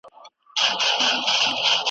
شپه او ورځ يې په كورونو كي ښادي وه .